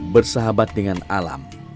bersahabat dengan alam